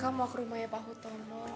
kamu mau ke rumahnya pak hutono